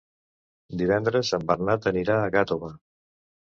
Divendres en Bernat anirà a Gàtova.